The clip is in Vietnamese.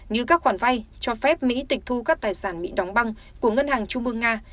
như các khoản vay cho phép mỹ tịch thu các tài sản bị đóng băng của ngân hàng trung ương nga